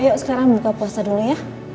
ayo sekarang muka puasa dulu ya